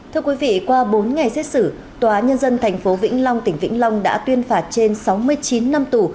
thưa quý vị qua bốn ngày xét xử tòa nhân dân tp vĩnh long tỉnh vĩnh long đã tuyên phạt trên sáu mươi chín năm tù